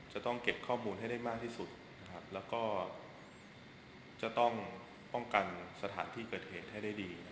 จะต้องเก็บข้อมูลให้ได้มากที่สุดนะครับแล้วก็จะต้องป้องกันสถานที่เกิดเหตุให้ได้ดี